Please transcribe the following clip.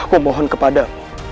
aku mohon kepada